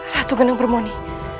ratu geneng permoni